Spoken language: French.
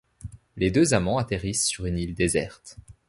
Les deux amants atterrissent sur une île déserte.